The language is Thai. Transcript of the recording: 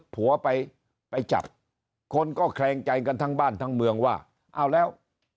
ผัวไปไปจับคนก็แคลงใจกันทั้งบ้านทั้งเมืองว่าเอาแล้ว